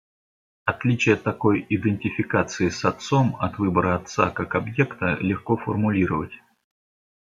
Отличие такой идентификации с отцом от выбора отца как объекта легко формулировать.